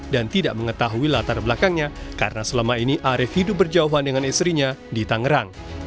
dan tidak mengetahui latar belakangnya karena selama ini arif hidup berjauhan dengan istrinya di tangerang